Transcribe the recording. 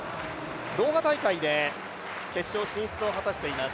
ドーハ大会で決勝進出を果たしています